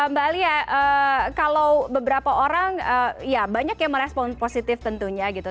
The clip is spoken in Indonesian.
mbak alia kalau beberapa orang ya banyak yang merespon positif tentunya gitu